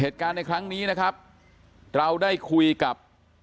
ถ้ามันแค่นี้ครับเราได้คุยกับ